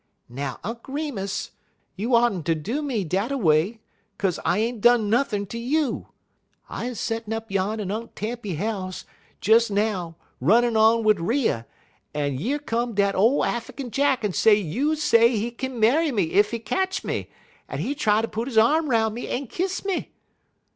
"Now, Unk' Remus, you ought n't ter do me dat a way, 'kaze I ain't done nothin' ter you. I 'uz settin' up yon' in Aunt Tempy house, des now, runnin' on wid Riah, en yer come dat ole Affikin Jack en say you say he kin marry me ef he ketch me, en he try ter put he arm 'roun' me en kiss me."